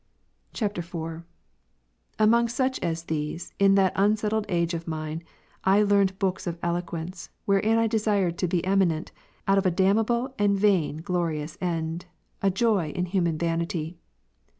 [IV.] 7. Among such as these, in that unsettled age of mine, learned I books of eloquence, wherein I desired to be eminent out of a damnable and vain glorious end, a joy in human vanity.